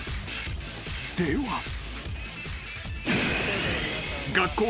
では］